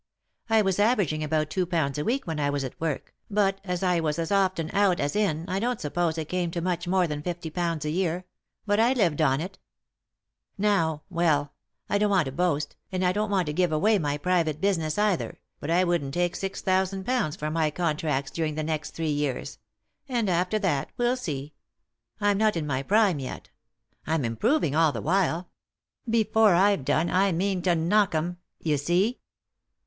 I was averaging about two pounds a week when I was at work, but as I was as often out as in I don't suppose it came to much more than fifty pounds a year — but I lived on it I always have lived on what I earned, and on nothing else. Now — well — I don't want to boast, and I don't want to give away my private business either, but I wouldn't take six thousand pounds for my contracts during the next three years : and, after that, we'll see. I'm not in my prime yet j I'm improving all the while ; before I've done I mean to knock 'em — you see."